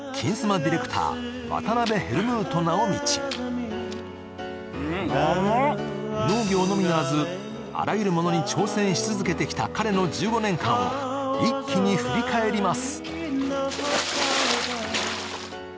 ディレクター、渡辺ヘルムート直道農業のみならずあらゆるものに挑戦し続けてきた彼の１５年間を一気に振り返ります！